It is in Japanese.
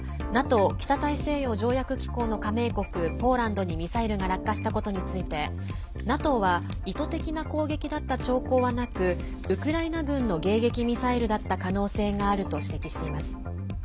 ＮＡＴＯ＝北大西洋条約機構の加盟国ポーランドにミサイルが落下したことについてＮＡＴＯは意図的な攻撃だった兆候はなくウクライナ軍の迎撃ミサイルだった可能性があると指摘しています。